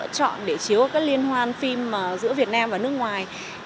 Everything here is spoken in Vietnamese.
được lựa chọn để chiếu các liên hoan phim giữa việt nam và nước ngoài